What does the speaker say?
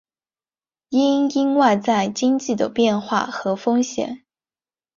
因应外在经济的变化和风险